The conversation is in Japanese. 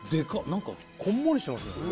何かこんもりしてますね・